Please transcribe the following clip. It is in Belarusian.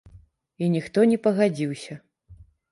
І ніхто не пагадзіўся.